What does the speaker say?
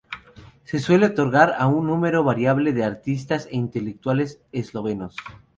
Se suele otorgar a un número variable de artistas e intelectuales eslovenos.